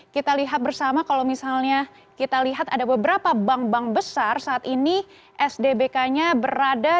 kita lihat bersama kalau misalnya kita lihat ada beberapa bank bank besar saat ini sdbk nya berada